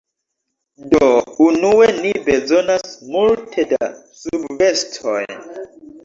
Do, unue ni bezonas multe da subvestoj